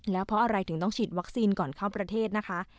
แล้วเพราะอะไรถึงต้องฉีดวัคซีนก่อนเข้าประเทศนะคะ